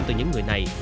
từ những người này